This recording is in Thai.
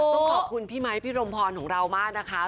ต้องขอบคุณพี่ไมค์พี่รมพรของเรามากนะคะ